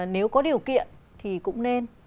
nếu có điều kiện thì cũng nên